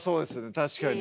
確かに。